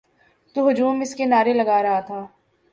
تو ہجوم اس کے نعرے لگا رہا ہے۔